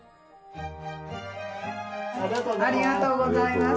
ありがとうございます。